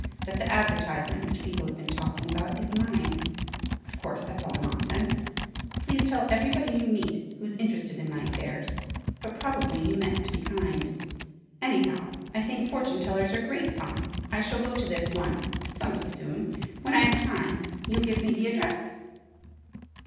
That the advertisement which people have been talking about is mine. Of course that's all nonsense! Please tell everybody you meet, who's interested in my affairs! But probably you meant to be kind. Anyhow, I think fortune tellers are great fun! I shall go to this one some day soon: when I have time. You'll give me the address?"